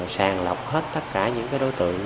sàng lọc hết tất cả những cái đối tượng